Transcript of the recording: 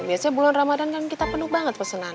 biasanya bulan ramadhan kan kita penuh banget pesenan